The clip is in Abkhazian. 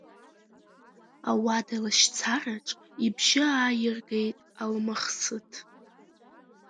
Ауада лашьцараҿ ибжьы ааиргеит Алмахсыҭ.